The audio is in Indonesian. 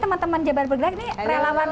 sudah saya sampaikan sedikit bahwa di rshs ini